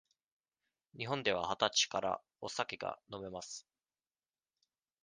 日本では二十歳からお酒が飲めます。